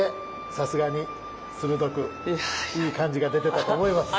さすがに鋭くいい感じが出てたと思います。